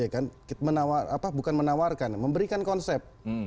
kita bukan menawarkan memberikan konsep